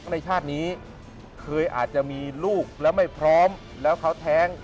ในชาตินี้เคยอาจจะมีลูกแล้วไม่พร้อมแล้วเขาแท้ง